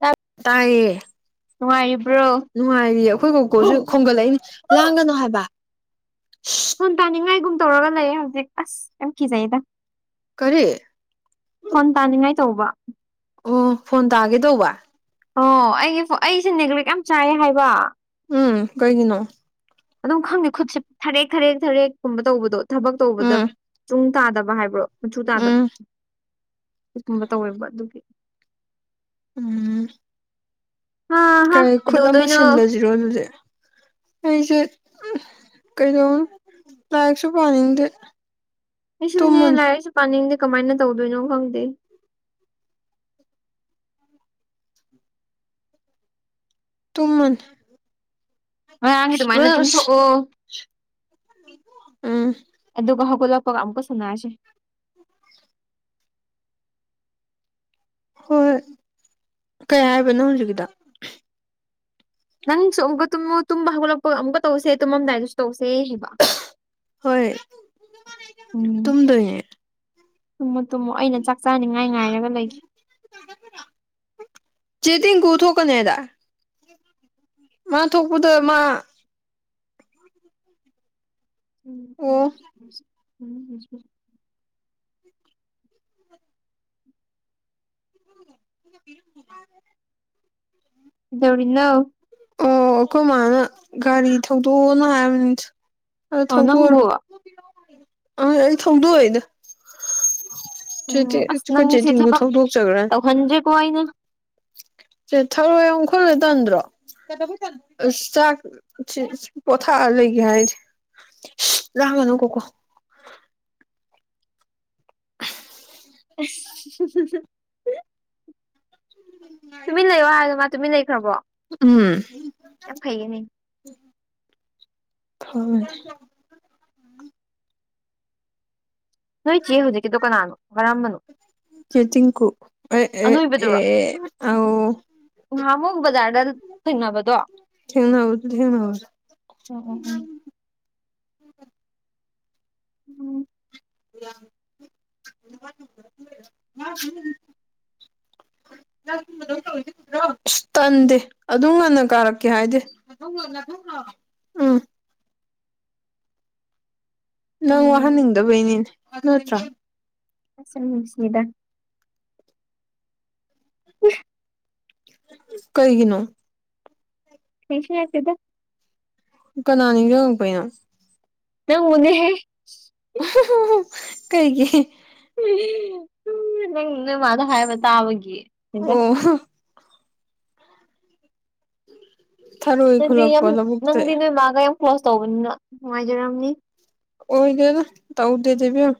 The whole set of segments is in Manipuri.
ꯇ [unintelligible] ꯇꯥꯏꯌꯦ꯫ ꯅꯨꯡꯉꯥꯏꯔꯤꯕ꯭ꯔꯣ꯫ ꯅꯨꯡꯉꯥꯏꯔꯤꯌꯦ ꯑꯩꯈꯣꯏ ꯀꯧꯀꯣꯁꯨ ꯈꯣꯝꯒꯠꯂꯛꯏꯅꯤ ꯂꯥꯡꯒꯅꯨ ꯍꯥꯏꯕ꯫ ꯈꯣꯟ ꯇꯥꯅꯤꯡꯉꯥꯏꯒꯨꯝ ꯇꯧꯔꯒ ꯂꯩꯌꯦ ꯍꯧꯖꯤꯛ ꯑꯁ ꯌꯥꯝ ꯀꯤꯖꯩꯗ꯫ ꯀꯔꯤ꯫ ꯐꯣꯟ ꯇꯥꯅꯤꯡꯉꯥꯏ ꯇꯧꯕ꯫ ꯑꯣ ꯐꯣꯟ ꯇꯥꯒꯦ ꯇꯧꯕ꯫ ꯑꯣ ꯑꯩꯒꯤ ꯑꯩꯁꯦ ꯅꯦꯒ꯭ꯂꯦꯛ ꯌꯥꯝ ꯆꯥꯏꯌꯦ ꯍꯥꯏꯕ꯫ ꯎꯝ ꯀꯩꯒꯤꯅꯣ꯫ ꯑꯗꯨꯝ ꯈꯪꯉꯦ ꯈꯨꯠꯁꯦ ꯊꯔꯦꯛ ꯊꯔꯦꯛ ꯊꯔꯦꯛꯀꯨꯝꯕ ꯇꯧꯕꯗꯣ ꯊꯕꯛ ꯇꯧꯕꯗ꯫ ꯎꯝ ꯇꯥꯗꯕ ꯍꯥꯏꯕ꯭ꯔꯣ ꯃꯆꯨ ꯇꯥꯗꯕ ꯎꯝ ꯁꯤꯒꯨꯝꯕ ꯇꯧꯋꯦꯕ ꯑꯗꯨꯒꯤ꯫ ꯎꯝ ꯍꯥ ꯍꯥ ꯀꯔꯤ ꯈꯨꯠ ꯑꯃ ꯀꯩꯗꯧꯗꯣꯏꯅꯣ ꯁꯤꯜꯂꯁꯤꯔꯣ ꯑꯗꯨꯗꯤ꯫ ꯑꯩꯁꯦ ꯀꯩꯗꯧ ꯂꯥꯏꯔꯤꯛꯁꯨ ꯄꯥꯅꯤꯡꯗꯦ꯫ ꯑꯩꯁꯨꯅꯦ ꯇꯨꯝꯃꯅꯤ ꯂꯥꯏꯔꯤꯛꯥꯏꯁꯨ ꯄꯥꯅꯤꯡꯗꯦ ꯀꯃꯥꯏꯅ ꯇꯧꯗꯣꯏꯅꯣ ꯈꯪꯗꯦ꯫ ꯇꯨꯨꯝꯃꯅꯤ꯫ ꯉꯣꯏꯔꯥꯡꯒꯤ ꯑꯗꯨꯃꯥꯏꯅ ꯑꯗꯨꯝ ꯊꯣꯛꯑꯣ꯫ ꯎꯝ꯫ ꯑꯗꯨꯒ ꯍꯧꯒꯠꯂꯥꯛꯄꯒ ꯑꯃꯨꯛꯀ ꯁꯥꯟꯅꯔꯁꯦ꯫ ꯍꯣꯏ ꯀꯩ ꯍꯥꯏꯕꯅꯣ ꯍꯧꯖꯤꯛꯀꯤꯗꯣ ꯅꯪꯁꯨ ꯑꯃꯨꯛ ꯇꯨꯝꯃꯨ ꯇꯨꯝꯕ ꯍꯧꯒꯠꯂꯛꯄꯒ ꯑꯃꯨꯛ ꯇꯧꯁꯦ ꯇꯨꯝꯃꯝꯗꯥꯏꯗꯁꯨ ꯇꯧꯁꯦ ꯍꯥꯏꯕ ꯍꯣꯏ [unintelligible] ꯇꯨꯝꯗꯣꯏꯅꯦ ꯇꯨꯝꯃꯨ ꯇꯨꯝꯃꯨ ꯑꯩꯅ ꯆꯥꯛ ꯆꯥꯅꯤꯡꯉꯥꯏ ꯉꯥꯏꯔꯒ ꯂꯩꯒꯦ [unintelligible] ꯆꯦꯇꯤꯡꯀꯨ ꯊꯣꯛꯀꯅꯦꯗꯥꯢ ꯃꯥ ꯊꯣꯛꯄꯗ ꯃꯥ ꯑꯣ [unintelligible] [unintelligible] ꯀꯩꯗꯧꯔꯤꯅꯣ ꯑꯣ ꯑꯩꯈꯣꯏ ꯃꯥꯅ ꯒꯥꯔꯤ ꯊꯧꯗꯣꯛꯑꯣꯅ ꯍꯥꯏꯕꯅꯤ ꯑ ꯑꯣ ꯊꯧꯗꯣꯛꯑꯔꯣꯢ ꯅꯪꯕꯨ ꯑ ꯑꯩ ꯊꯧꯗꯣꯛꯏꯗ ꯎꯝ ꯑꯁ ꯑꯩꯈꯣꯏ ꯆꯦꯇꯤꯡꯕꯨ ꯊꯧꯗꯣꯛꯆꯈ꯭ꯔꯥꯅꯤ꯫ ꯍꯣꯏꯅꯦ꯫ ꯁꯦ ꯊꯔꯣꯏ ꯌꯝ ꯈꯨꯜꯂꯤꯗꯣ ꯇꯟꯗ꯭ꯔꯣ꯫ ꯑꯁ ꯆꯥꯛ ꯄꯣꯊꯥꯔ ꯂꯩꯒ ꯍꯥꯏꯗꯦ꯫ ꯁꯤꯠ ꯂꯥꯡꯒꯅꯨ ꯀꯣꯀꯣ꯫ ꯢꯁ꯫ ꯇꯨꯃꯤꯟ ꯂꯩꯌꯣ ꯃꯥ ꯇꯨꯃꯤ ꯂꯩꯈ꯭ꯔꯕꯣ꯫ ꯎꯝ ꯌꯥꯝ ꯐꯩꯌꯦꯅꯦ ꯈꯪ꯫ [unintelligible] ꯅꯣꯏ ꯆꯦ ꯍꯧꯖꯤꯛꯀꯤꯗꯣ ꯀꯅꯥꯅꯣ ꯀꯔꯝꯕꯅꯣ꯫ ꯆꯦꯆꯤꯡꯀꯨ ꯑꯦ ꯑꯦ ꯑꯥꯎ꯫ ꯉꯍꯥ ꯑꯃꯨꯛ ꯕꯖꯥꯔꯗ ꯊꯦꯡꯅꯕꯗꯣ [inaudible] ꯊꯦꯡꯅꯕꯗꯨ ꯊꯦꯡꯅꯕꯗꯨ ꯑꯣ ꯑꯣ ꯑꯣ ꯎꯝ [unintelligible] [unintelligible] ꯑꯁ ꯇꯟꯗꯦ ꯑꯗꯨꯝ ꯉꯟꯅ ꯀꯥꯔꯛꯀꯦ ꯍꯥꯏꯗꯤ [unintelligible] ꯎꯝ ꯅꯪ ꯎꯝ ꯋꯥꯍꯟꯅꯤꯡꯗꯕꯩꯅꯤꯅꯦ ꯅꯠꯇ꯭ꯔ ꯑꯁ ꯁꯤꯅꯤꯗ [unintelligible] ꯀꯩꯒꯤꯅꯣ [unintelligible] ꯀꯅꯥ ꯅꯤꯡꯖꯪꯉꯛꯄꯩꯅꯣ ꯅꯪꯕꯨꯅꯦꯍꯦ [unintelligible] ꯀꯩꯒꯤ ꯅꯪ ꯅꯣꯏ ꯃꯥꯗ ꯍꯥꯏꯕ ꯇꯥꯕꯒꯤ ꯀꯩꯕ ꯑꯣ ꯊꯔꯣꯏ ꯅꯪꯗꯤ ꯈꯨꯜꯂꯛꯄ ꯌꯥꯝ ꯂꯧꯕꯨꯛꯇꯩ ꯅꯪꯗꯤ ꯅꯣꯏ ꯃꯥꯒ ꯌꯥꯝ ꯀ꯭ꯂꯣꯖ ꯇꯧꯕꯅꯤꯅ ꯅꯨꯡꯉꯥꯏꯖꯔꯝꯅꯤ ꯑꯣꯏꯗꯦꯗꯥ ꯇꯧꯗꯦꯗ ꯏꯕꯦꯝꯃꯥ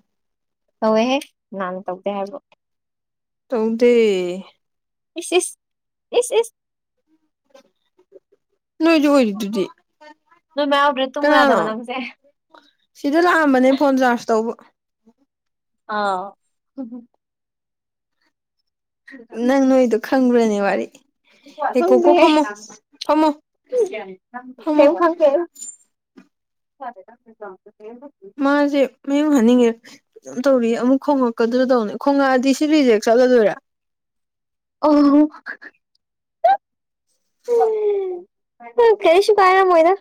ꯀꯧꯋꯦꯍꯦ ꯀꯅꯅꯥ ꯇꯧꯗꯦ ꯍꯥꯏꯕ ꯇꯧꯗꯦ ꯑꯦꯁ ꯑꯦꯁ ꯑꯦꯁ ꯑꯦꯁ ꯅꯣꯏꯁꯨ ꯑꯣꯏꯔꯤꯗꯨꯗꯤ ꯅꯣꯏꯃꯥ ꯌꯥꯎꯗꯔꯗꯤ ꯇꯨꯝꯕ ꯌꯥꯗꯕ ꯀꯅꯥꯅꯣ ꯅꯪꯖꯦ ꯁꯤꯗ ꯂꯥꯛꯑꯝꯕꯅꯦ ꯐꯣꯟ ꯆꯥꯔꯖ ꯇꯧꯕ ꯑ ꯅꯪ ꯅꯣꯛ ꯏꯗꯣ ꯈꯪꯕ꯭ꯔꯅꯦ ꯋꯥꯔꯤ ꯑꯦ ꯀꯣꯀꯣ ꯈꯪꯗꯦꯍꯦ ꯐꯝꯃꯣ ꯐꯝꯃꯣ ꯐꯝꯃꯣ ꯀꯩꯝ ꯈꯪꯗꯦ [unintelligible] ꯃꯥꯁꯦ ꯃꯌꯨꯝ ꯍꯟꯅꯤꯡꯉꯤꯔ ꯑꯗꯨꯝ ꯇꯧꯔꯤ ꯑꯃꯨꯛ ꯈꯣꯡꯉꯛꯀꯗ꯭ꯔꯥ ꯇꯧꯅꯦ ꯈꯣꯡꯉꯛꯑꯗꯤ ꯁꯤ ꯔꯤꯖꯦꯛ ꯆꯠꯂꯗꯣꯏꯔꯥ [unintelligible] ꯀꯩꯁꯨ ꯀꯥꯏꯔꯝ ꯃꯣꯏꯗ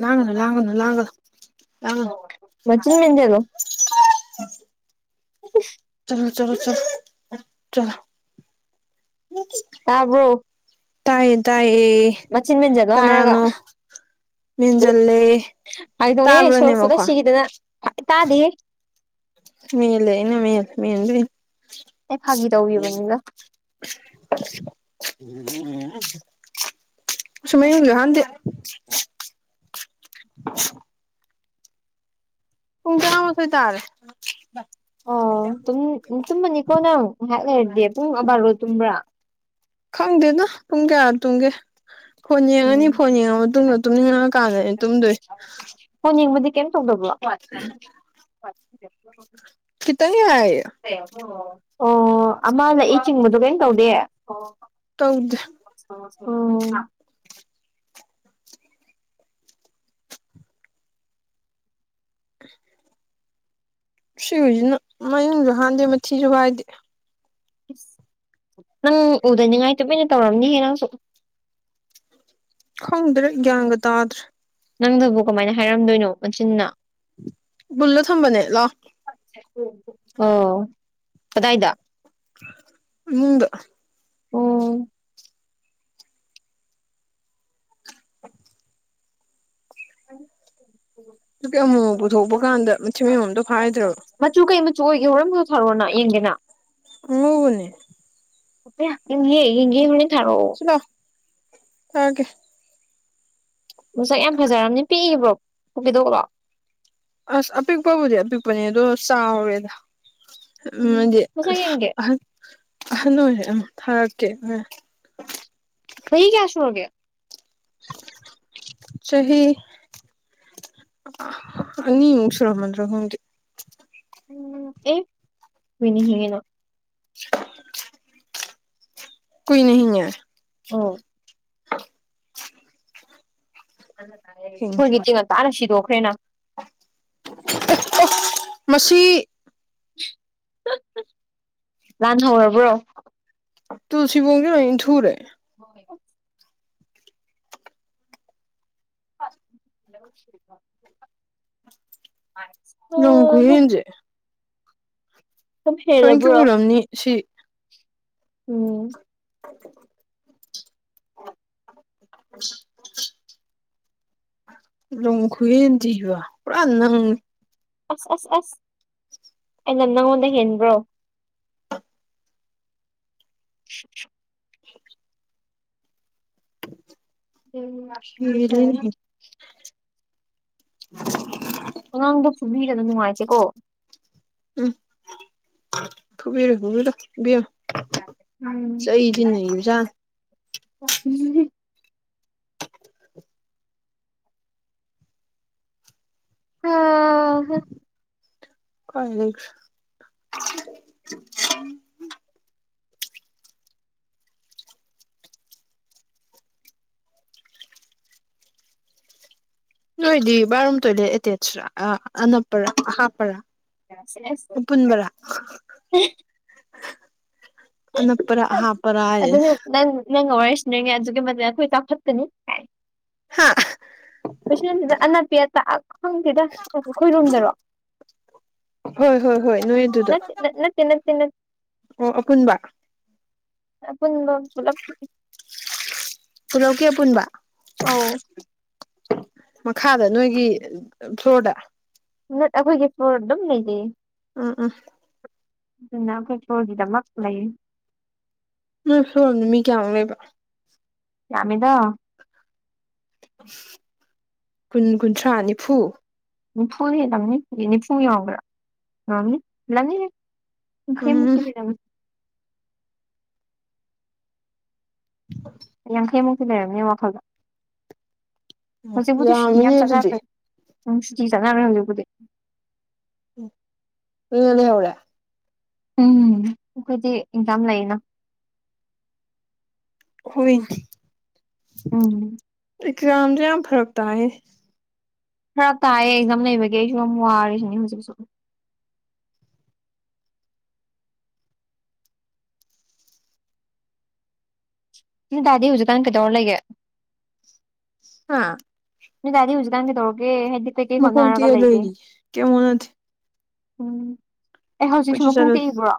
ꯂꯥꯡꯒꯅꯨ ꯂꯥꯡꯒꯅꯨ ꯂꯥꯡꯒꯅꯨ ꯂꯥꯡꯒꯅꯨ ꯃꯆꯤꯟ ꯃꯦꯖꯟꯂꯣ ꯆꯠꯂꯣ ꯆꯠꯂꯣ ꯆꯠꯂꯣ ꯆꯠꯂ ꯇꯥꯕꯔꯣ ꯇꯥꯏꯌꯦ ꯇꯥꯏꯌꯦ ꯃꯆꯤꯟ ꯃꯦꯟꯖꯤꯜꯂꯣ ꯍꯥꯥꯇꯥ ꯀꯅꯥꯅꯣ ꯃꯦꯟꯖꯜꯂꯦ ꯐꯒꯤꯇꯧꯅꯦ ꯁꯣ ꯇꯥꯕ꯭ꯔꯅꯦ ꯐꯨꯜꯂꯥ ꯃꯈꯣꯟ ꯁꯤꯈꯤꯗꯅ ꯇꯥꯗꯦ ꯃꯦꯜꯂꯦ ꯑꯩꯅꯥ ꯃꯦꯜꯗꯣꯏꯅꯦ ꯑꯩ ꯐꯥꯒꯤ ꯇꯧꯒꯤꯕꯅꯤꯗ [unintelligible] ꯃꯌꯨꯡꯁꯨ ꯍꯟꯗꯦ ꯄꯨꯡ ꯇꯔꯥꯃꯥꯊꯣꯏ ꯇꯥꯔꯦ ꯑꯣ ꯇꯨꯝꯃꯅꯤꯀꯣ ꯅꯪ ꯉꯥꯏꯍꯥꯛ ꯂꯩꯔꯗꯤ ꯄꯨꯡ ꯕꯥꯔꯣꯗ ꯇꯨꯝꯕ꯭ꯔꯥ ꯈꯪꯗꯦꯗ ꯄꯨꯡ ꯀꯌꯥ ꯇꯨꯡꯒꯦ ꯐꯣꯟ ꯌꯦꯡꯉꯅꯤ ꯎꯝ ꯐꯣꯟ ꯌꯦꯡꯉ ꯃꯇꯨꯡꯗ ꯇꯨꯝꯅꯤꯡꯉꯛ ꯀꯥꯟꯗꯅꯦ ꯇꯨꯝꯗꯣꯏꯁꯦ ꯐꯣꯟ ꯌꯦꯡꯕꯗꯤ ꯀꯩꯝ ꯇꯧꯗꯕ꯭ꯔꯣ [inaudible] ꯈꯤꯇꯪꯌꯥꯏꯌ ꯑꯣ ꯑꯃꯅ ꯏ ꯆꯤꯡꯕꯗꯣ ꯀꯩꯝ ꯇꯧꯗꯦ ꯑꯣ ꯇꯧꯗ ꯎꯝ ꯁꯤ ꯍꯨꯏꯁꯤꯅ ꯃꯌꯨꯡꯁꯨ ꯍꯥꯟꯗꯦ ꯃꯊꯤꯁꯨ ꯍꯥꯏꯗꯦ ꯅꯪ ꯎꯗꯅꯤꯡꯉꯥꯏ ꯇꯨꯃꯤꯅ ꯇꯧꯔꯝꯅꯤꯍꯦ ꯅꯪꯁꯨ ꯍꯪꯗ꯭ꯔꯦ ꯒꯌ꯭ꯥꯟꯒ ꯇꯥꯗ꯭ꯔ ꯅꯪꯗꯨꯕꯨ ꯀꯃꯥꯏꯅ ꯍꯥꯏꯔꯝꯗꯣꯏꯅꯣ ꯃꯆꯤꯟꯅ ꯄꯨꯜꯂ ꯊꯝꯕꯅꯦ ꯂꯧ ꯑꯣ ꯀꯗꯥꯏꯗ ꯏꯃꯨꯡꯗ ꯎꯝ [inaudible] ꯑꯗꯨꯛꯀꯤ ꯑꯃꯨꯛ ꯄꯨꯊꯣꯛꯄ ꯀꯥꯟꯗ ꯃꯊꯃꯌꯣꯝꯇꯣ ꯐꯥꯏꯗ꯭ꯔꯕ ꯃꯆꯨ ꯀꯩ ꯃꯆꯨ ꯑꯣꯏꯒꯦ ꯍꯣꯔꯝꯁꯨ ꯊꯥꯔꯣꯅ ꯌꯦꯡꯗꯦꯅ ꯑꯉꯧꯕꯅꯦ ꯑꯌꯥ ꯌꯦꯡꯒꯦ ꯐꯣꯇꯣ ꯊꯔꯛ ꯑꯣ ꯂꯧ ꯊꯔꯛꯀꯦ ꯃꯁꯛ ꯌꯥꯝ ꯐꯖꯔꯕꯅꯤ ꯄꯤꯛꯏꯕ꯭ꯔꯣ ꯄꯣꯀꯦꯗꯣꯛꯂꯣ ꯑꯁ ꯑꯄꯤꯛꯄꯕꯨꯗꯤ ꯑꯄꯤꯛꯄꯅꯦ ꯑꯗꯣ ꯆꯥꯎꯔꯦꯗ ꯎꯝ ꯑꯃꯗꯤ ꯃꯁꯛ ꯌꯦꯡꯒꯦ ꯑꯍ ꯑꯍꯜ ꯑꯣꯏꯔꯦ ꯑꯃ ꯊꯥꯔꯛꯀꯦ ꯆꯍꯤ ꯀꯌꯥꯁꯨꯨꯔꯒ ꯆꯍꯤ ꯑꯅꯤꯃꯨꯛ ꯁꯨꯔꯝꯃꯗꯔꯥ ꯈꯪꯗꯦ ꯑꯦ ꯍꯤꯡꯉꯤꯅ [inaudible] ꯀꯨꯏꯅ ꯍꯤꯡꯒꯦ ꯑꯣ ꯍꯤꯡꯉꯦ ꯑꯩꯈꯣꯏꯒꯗꯤ ꯉꯟꯇꯥꯅ ꯁꯤꯗꯣꯛꯈ꯭ꯔꯦꯅ ꯃꯁꯤ ꯂꯥꯟ ꯍꯧꯔꯕ꯭ꯔꯣ ꯇꯨ ꯁꯤꯕꯣꯡꯁꯤ ꯂꯣꯏꯅ ꯏꯟꯊꯨꯔꯦ ꯍꯣꯏ [unintelligible] ꯂꯝ ꯑꯣ ꯈꯨꯍꯦꯟꯖꯦ ꯁꯨꯝ ꯊꯑꯣꯏꯡꯀꯤ ꯍꯦꯜꯂꯕ꯭ꯔꯣ ꯎꯔꯝꯅꯤ ꯁꯤ ꯎꯝꯝ [inaudible] [inaudible] ꯂꯝ ꯈꯨꯍꯦꯟꯗꯤꯕ ꯄꯨꯔꯥ ꯅꯪ ꯑꯁ ꯑꯁ ꯑꯁ ꯑꯩꯅ ꯅꯪꯉꯣꯟꯗ ꯍꯦꯟꯕ꯭ꯔꯣ [inaudible] [inaudible] ꯍꯦꯜꯂꯤꯅꯦꯍꯦ [unintelligible] ꯑꯉꯥꯡꯗꯣ ꯐꯨꯕꯤꯒꯅ ꯅꯨꯡꯉꯥꯏꯇꯦꯀꯣ ꯎꯝ ꯊꯨꯕꯤꯔꯣꯕꯤꯔꯣ ꯕꯤꯌꯣ ꯎꯝ [unintelligible] ꯑ ꯍꯥ ꯀꯥꯏ ꯂꯩꯒ꯭ꯔꯦ ꯅꯣꯏꯗꯤ ꯕꯥꯠꯔꯨꯝ ꯇꯣꯏꯂꯦꯠ ꯑꯦꯇꯦꯆꯔꯣ ꯑ ꯑꯅꯞꯄꯔꯣ ꯑꯍꯥꯞꯄꯔꯥ ꯑꯄꯨꯟꯕꯔꯥ [unintelligible] ꯑꯅꯞꯄꯔꯥ ꯑꯍꯥꯥꯞꯄꯔ ꯍꯏꯖꯤꯅꯤ ꯑꯗꯨꯅꯤ ꯅꯪ ꯅꯪꯒ ꯋꯥꯔꯤ [unintelligible] ꯑꯗꯨꯛꯀꯤ ꯃꯇꯤꯛ ꯑꯈꯣꯏ [unintelligible] ꯍꯥ [unintelligible] ꯈꯪꯗꯦꯗ ꯑꯩꯈꯣꯏꯔꯣꯝꯗꯔꯣ ꯍꯣꯏ ꯍꯣꯏ ꯍꯣꯏ ꯅꯣꯏ ꯑꯗꯨꯗ ꯅꯠꯇꯦ ꯅꯠꯇꯦ ꯅꯠꯇꯦ ꯅꯠꯇꯦ ꯑꯣ ꯑꯄꯨꯟꯕ ꯑꯄꯨꯟꯕ ꯄꯨꯂꯞ ꯄꯨꯂꯞꯀꯤ ꯑꯄꯨꯟꯕ ꯑꯧ ꯃꯈꯥꯗ ꯅꯣꯏꯒꯤ ꯐ꯭ꯂꯣꯔꯗ ꯅꯠ ꯑꯈꯣꯏꯒꯤ ꯐ꯭ꯂꯣꯔ ꯑꯗꯨꯝ ꯂꯩꯖꯩꯌꯦ ꯎꯝ ꯎꯝ ꯑꯗꯨꯅ ꯑꯈꯣꯏ ꯐ꯭ꯂꯣꯔꯒꯤꯗꯃꯛ ꯂꯩ ꯅꯣꯏ ꯐ꯭ꯂꯣꯔ ꯑꯝꯗ ꯤ ꯀꯌꯥꯃꯨꯛ ꯂꯩꯕ ꯌꯥꯝꯃꯤꯗ ꯀꯨꯟ ꯀꯨꯟꯊ꯭ꯔꯥ ꯅꯤꯐꯨ ꯅꯤꯐꯨ ꯍꯦꯜꯂꯝꯅꯤ ꯅꯤꯐꯨ ꯌꯥꯎꯒꯦꯔꯥ ꯌꯧꯔꯝꯅꯤ ꯍꯦꯟꯂꯝꯅꯤꯍꯦ ꯌꯥꯡꯈꯩ ꯃꯨꯛꯇꯤ ꯎꯝ ꯍꯦꯟꯂꯝꯅꯤ [inaudible] ꯌꯥꯡꯈꯩꯃꯨꯛꯇꯤ ꯂꯩꯔꯝꯅꯤ ꯑꯩ ꯋꯥꯈꯜꯗ ꯍꯧꯖꯤꯛꯄꯨꯗꯤ ꯁꯨꯇꯤ ꯌꯥꯝ ꯌꯥꯝꯃꯤꯅꯦ ꯑꯗꯨꯗꯤ ꯆꯠꯅꯈ꯭ꯔꯦ ꯎꯝ ꯁꯨꯇꯤ ꯆꯠꯅꯈ꯭ꯔꯦ ꯍꯧꯖꯤꯛꯄꯨꯗꯤ ꯎꯝ [unintelligible] ꯂꯩꯍꯧꯔꯦ ꯎꯝ ꯑꯩꯈꯣꯏꯗꯤ ꯑꯦꯛꯖꯥꯝ ꯂꯩꯌꯦꯅ ꯑꯈꯨꯏꯗꯤ ꯎꯝ ꯑꯦꯛꯖꯥꯝꯖꯦ ꯌꯥꯝ ꯐꯔꯛ ꯇꯥꯏꯍꯦ ꯈꯔ ꯇꯥꯏꯌꯦ ꯑꯦꯛꯖꯥꯝ ꯂꯩꯕꯒꯤ ꯑꯩꯁꯨ ꯌꯥꯝ ꯋꯥꯔꯤꯁꯤꯅꯤ ꯍꯧꯖꯤꯛꯁꯨ [unintelligible] ꯇꯥꯗꯤ ꯍꯧꯖꯤꯛꯀꯥꯟ ꯀꯩꯗꯧꯔ ꯂꯩꯒꯦ ꯍꯥ ꯅꯣꯏ ꯗꯥꯗꯤ ꯍꯧꯖꯤꯛꯀꯥꯟ ꯀꯩꯗꯧꯔꯒꯦ ꯍꯥꯏꯗꯤ ꯀꯩꯀꯩ ꯃꯈꯣꯡ ꯍꯣꯠꯅꯔꯒ ꯇꯦꯛꯑ ꯂꯩꯒꯦ ꯂꯩꯔꯤ ꯀꯩꯝ ꯍꯣꯠꯅꯗꯦ ꯎꯝ ꯑꯦ ꯍꯧꯖꯤꯛꯁꯨ ꯀꯣꯏꯆꯠ ꯃꯈꯣꯡ ꯆꯠꯂꯨꯔꯦ ꯇꯦꯛꯏꯕ꯭ꯔꯣ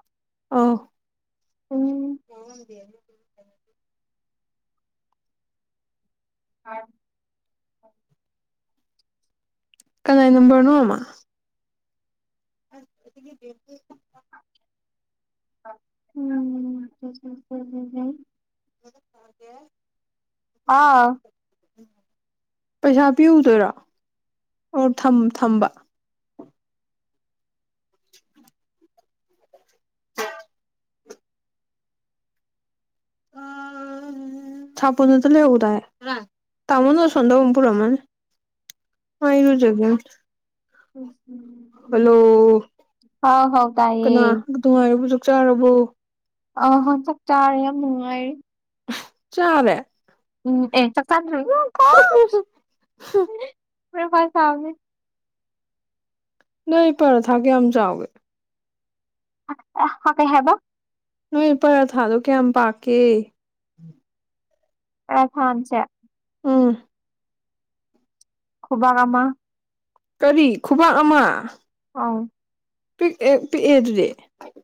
ꯑꯧ ꯎꯝ [unintelligible] [unintelligible] ꯀꯅꯥꯏ ꯅꯝꯕꯔꯅꯣꯃ [unintelligible] UNINTELLIGIBLE ꯍꯥꯎ [inaudible] ꯄꯩꯁꯥ ꯄꯤꯌꯨꯗꯣꯏꯔꯣ ꯑꯣ ꯊꯝ ꯊꯝꯕ ꯑꯥ ꯎꯝ ꯁꯥꯄꯣꯟ ꯑꯗꯨ ꯂꯩꯍꯧꯗꯥꯏ [unintelligible] ꯇꯥꯃꯣꯅ ꯑꯁꯣꯝꯗ ꯑꯃꯨꯛ ꯄꯨꯔꯝꯃꯅꯤ ꯃꯥ ꯏꯔꯨꯖꯒꯤꯕꯅꯦ UNINTELLIGIBLE ꯍꯜꯂꯣ ꯇꯥꯏꯌꯦ ꯀꯅꯥ ꯅꯨꯡꯉꯥꯏꯔꯤꯕꯣ ꯆꯥꯛ ꯆꯥꯔꯕꯣ ꯑ ꯍꯣꯏ ꯆꯥꯛ ꯆꯥꯔꯦ ꯌꯥꯝ ꯅꯨꯡꯉꯥꯏꯔꯦ ꯆꯥꯔꯦ ꯎꯝ ꯑꯦ ꯆꯥꯛꯆꯥ [unintelligible] [unintelligible] [unintelligible] ꯅꯣꯏ ꯄꯔꯥ ꯊꯥꯛꯀ ꯌꯥꯝ ꯆꯥꯎꯋꯦ ꯍꯀꯦ ꯍꯥꯏꯕ ꯅꯣꯏ ꯄꯔꯥ ꯊꯥꯗꯣ ꯀꯌꯥꯝ ꯄꯥꯛꯀꯦ ꯔꯊꯟꯁꯦ ꯎꯝ ꯈꯨꯕꯥꯛ ꯑꯃ ꯀꯔꯤ ꯈꯨꯕꯥꯛ ꯑꯃ ꯑꯥꯎ ꯄꯤꯛꯑ ꯄꯤꯛꯑꯦ ꯑꯗꯨꯗꯤ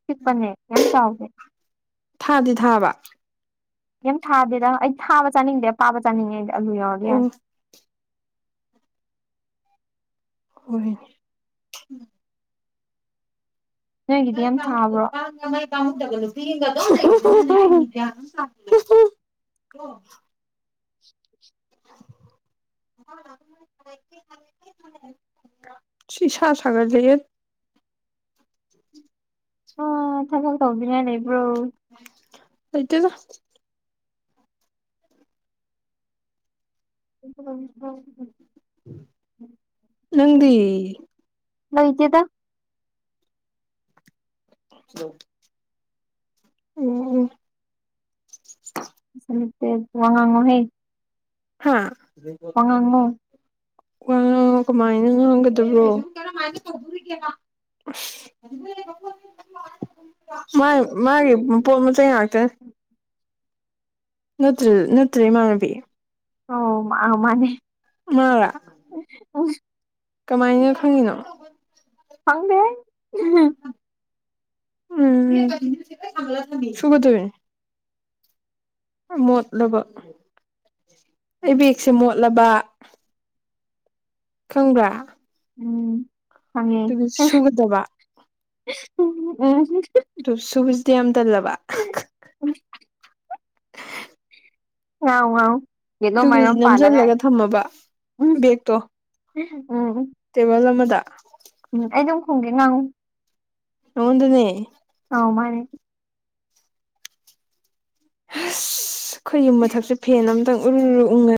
ꯆꯤꯛꯄꯅꯦ ꯌꯥꯝ ꯆꯥꯎꯗꯦ ꯊꯥꯗꯤ ꯊꯥꯕ ꯌꯥꯝ ꯊꯥꯗꯦꯗ ꯑꯩ ꯊꯥꯕ ꯆꯥꯅꯤꯡꯗꯦ ꯄꯥꯕ ꯆꯥꯅꯤꯡꯉꯦ ꯑꯩꯗꯤ ꯑꯂꯨ ꯌꯥꯎꯔꯗꯤ ꯑꯣ ꯌꯥꯔꯦ ꯍꫭꯏꯅꯦ ꯅꯣꯏꯒꯤꯗꯤ ꯌꯥꯝ ꯊꯥꯕ꯭ꯔꯣ UNINTELLIGIBLE [inaudible] [inaudible] [inaudible] [inaudible] UNINTELLIGIBLE ꯁꯤ ꯁꯥ ꯁꯥꯒꯠꯂꯦ ꯑꯥ ꯊꯕꯛ ꯇꯧꯗꯅꯤꯉꯥꯏ ꯂꯩꯕꯔꫭ ꯂꯩꯇꯗ UNINTELLIGIBLE ꯅꯪꯗꯤ ꯂꯩꯇꯦꯗꯥ ꯍꯜꯂꫭ ꯎꯝ ꯎꯝ UNINTELLIGIBLE ꯋꯥ ꯉꯥꯡꯑꫭ ꯍꯦ ꯍꯥꯥ ꯉꯥꯡꯉꯣ ꯋꯥ ꯉꯥꯡꯑꫭ ꯀꯃꯥꯏꯅ ꯉꯥꯡꯒꯗꯕ꯭ꯔꯣ UNINTELLIGIBLE ꯑꯁ [inaudible] UNINTELLIGIBLE ꯃꯥ ꯃꯥꯒꯤ ꯄꯣꯠ ꯃꯆꯩ ꯉꯥꯛꯇꯦ ꯅꯠꯇ꯭ꯔꯦ ꯅꯠꯇ꯭ꯔꯦ ꯏꯃꯥꯟꯅꯕꯤ ꯑꯣ ꯃꯥ ꯃꯥꯅꯦ ꯃꯥꯔ UNINTELLIGIBLE ꯀꯃꯥꯏꯅ ꯈꯪꯉꯤꯅꯣ ꯈꯪꯗꯦꯍꯦ ꯎꯝ ꯁꯨꯒꯗꯨꯏꯅꯤ UNINTELLIGIBLE ꯃꯣꯠꯂꯕ ꯑꯩꯪ ꯕꯦꯛꯁꯦ ꯃꯣꯠꯂꯕ ꯈꯪꯕ꯭ꯔꯥ ꯎꯝ ꯈꯪꯉꯦ ꯑꯗꯨꯒꯤ ꯁꯨꯒꯗꯕ ꯎꯝ ꯑꯗꯨ ꯁꯨꯕꯁꯤꯗꯤ ꯌꯥꯝ ꯇꯜꯂꯕ ꯎ [inaudible] ꯉꯥꯡꯉꯨ ꯉꯥꯡꯉꯨ ꯑꯗꯨꯒꯤ ꯅꯝꯁꯤꯜꯂꯒ ꯊꯝꯃꯕ ꯎꯝ ꯕꯦꯛꯇꯣ ꯎꯝ ꯇꯦꯕꯜ ꯑꯃꯗ ꯎꯝ ꯑꯩ ꯑꯗꯨꯝ ꯈꯣꯡꯒꯦ ꯉꯥꯡꯉꯨ ꯅꯪꯑꫭꯟꯗꯅꯦ ꯑꯥꯎ ꯃꯥꯅꯦ ꯑꯁ ꯑꯩꯈꯣꯏ ꯌꯨꯝ ꯃꯊꯛꯁꯦ ꯐꯦꯟ ꯑꯃꯇꯪ ꯎꯔꯔ ꯎꯉꯥ